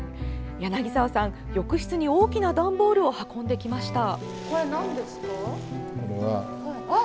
柳澤さん、浴室に大きな段ボールを運んできました。